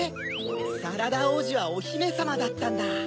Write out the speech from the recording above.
サラダおうじはおひめさまだったんだ。